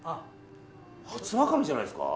初ワカメじゃないですか？